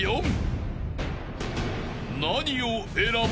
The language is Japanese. ［何を選ぶ？］